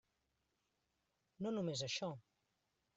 No només això.